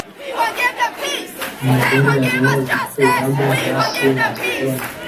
Umugore arimo gukuramo hasi mu gikoni